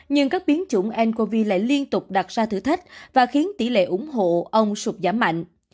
nhưng các biến chủng ncov lại liên tục đặt ra thử thách và khiến tỷ lệ ủng hộ ông sụp giảm mạnh